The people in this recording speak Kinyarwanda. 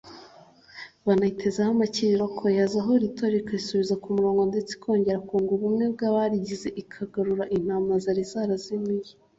banayitezeho amakiriro ko yazahura itorero ikarisubiza ku murongo ndetse ikongera kunga ubumwe bw’abarigize ikagarura intama zari zarazimiye